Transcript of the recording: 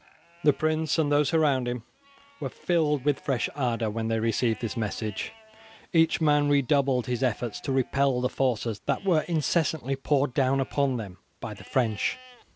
The prince and those around him were filled with fresh ardour when they received this message. Each man redoubled his efforts to repel the forces that were incessantly poured down upon them by the French.